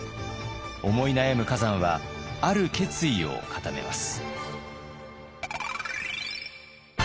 思い悩む崋山はある決意を固めます。